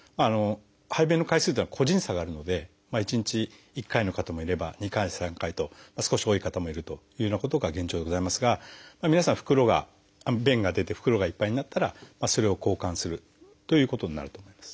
排便の回数というのは個人差があるので一日１回の方もいれば２回３回と少し多い方もいるというようなことが現状でございますが皆さん袋が便が出て袋がいっぱいになったらそれを交換するということになると思います。